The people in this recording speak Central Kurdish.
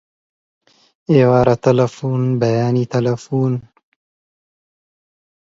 ئێوارە تەلەفۆن، بەیانی تەلەفۆن